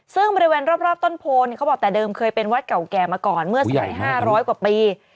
ซึ่งบริเวณรอบต้นโพเนี่ยเขาบอกแต่เดิมเคยเป็นวัดเก่าแก่มาก่อนเมื่อสมัย๕๐๐กว่าปี